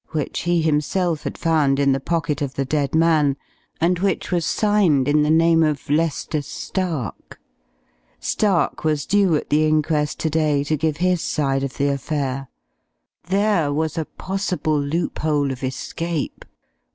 which he himself had found in the pocket of the dead man, and which was signed in the name of Lester Stark. Stark was due at the inquest to day, to give his side of the affair. There was a possible loophole of escape.